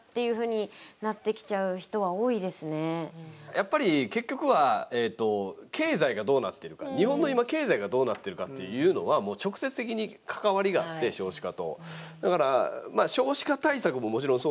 やっぱり結局は経済がどうなってるか日本の今経済がどうなってるかっていうのは直接的に関わりがあって少子化と。